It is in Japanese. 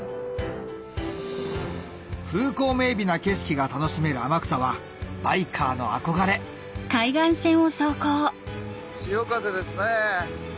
風光明媚な景色が楽しめる天草はバイカーの憧れ潮風ですね。